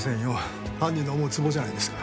犯人の思うつぼじゃないですか。